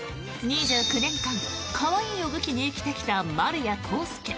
２９年間可愛いを武器に生きてきた丸谷康介。